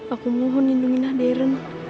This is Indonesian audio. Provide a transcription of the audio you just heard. aku mohon lindungi nadiren